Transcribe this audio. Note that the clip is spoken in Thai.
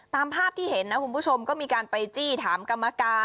ตามภาพที่เห็นนะคุณผู้ชมก็มีการไปจี้ถามกรรมการ